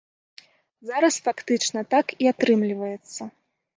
Зараз фактычна так і атрымліваецца.